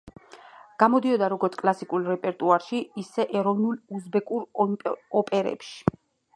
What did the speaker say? გამოდიოდა როგორც კლასიკურ რეპერტუარში, ისე ეროვნულ უზბეკურ ოპერებში.